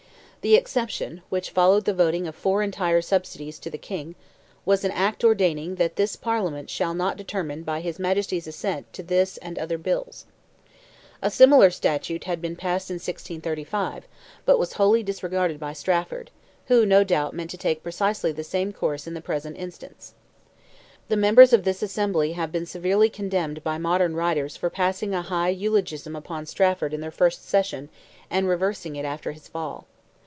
The exception, which followed the voting of four entire subsidies to the King, was an Act ordaining "that this Parliament shall not determine by his Majesty's assent to this and other Bills." A similar statute had been passed in 1635, but was wholly disregarded by Strafford, who no doubt meant to take precisely the same course in the present instance. The members of this Assembly have been severely condemned by modern writers for passing a high eulogium upon Strafford in their first session and reversing it after his fall.